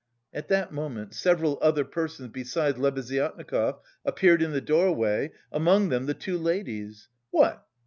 At that moment several other persons, besides Lebeziatnikov, appeared in the doorway, among them the two ladies. "What!